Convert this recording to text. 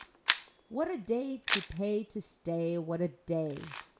What a day to pay to stay, what a day.